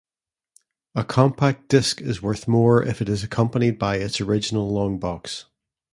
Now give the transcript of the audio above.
A compact disc is worth more if it is accompanied by its original longbox.